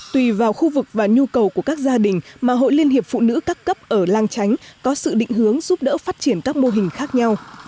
tùy vào khu vực và nhu cầu của các gia đình mà hội liên hiệp phụ nữ các cấp ở lang chánh có sự định hướng giúp đỡ phát triển các mô hình khác nhau